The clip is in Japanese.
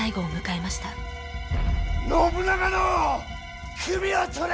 信長の首を取れ！